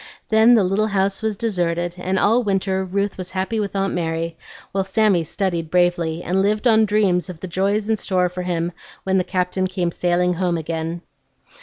Then the little house was deserted, and all winter Ruth was happy with Aunt Mary, while Sammy studied bravely, and lived on dreams of the joys in store for him when the Captain came sailing home again.